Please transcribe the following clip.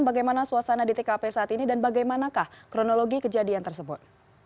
bagaimana suasana di tkp saat ini dan bagaimanakah kronologi kejadian tersebut